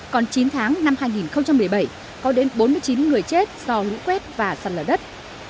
còn chín tháng năm hai nghìn một mươi bảy có đến bốn mươi chín người chết do lũ quét và sạt lở đất